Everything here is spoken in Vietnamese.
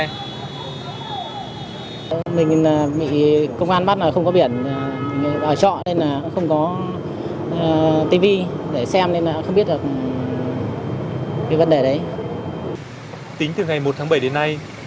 tính từ ngày một tháng bảy đến nay đội cảnh sát giao thông công an thành phố thái nguyên đã xử lý gần một mươi trường hợp xe máy điện vi phạm luật giao thông đường bộ